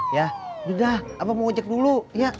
ya udah abang mau ojek dulu